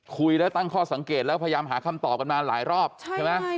คุยแล้วตั้งข้อสังเกตแล้วพยายามหาคำตอบกันมาหลายรอบใช่ไหม